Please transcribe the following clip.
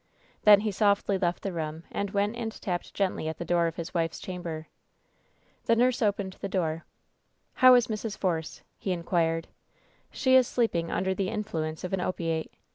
Then he softly left the room and went and tapped gently at the door of his wife's chamber. The nurse opened the door. "How is Mrs. Force ?" he inquired. "She is sleeping under the influence of an opiate.